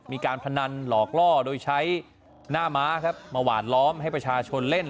พนันหลอกล่อโดยใช้หน้าม้าครับมาหวานล้อมให้ประชาชนเล่น